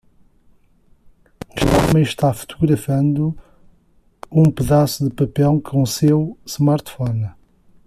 Um homem está fotografando um pedaço de papel com seu smartphone.